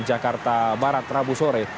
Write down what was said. jakarta barat rabu sore